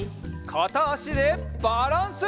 かたあしでバランス！